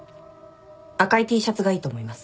赤いＴシャツがいいと思います。